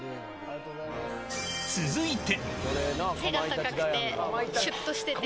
続いて。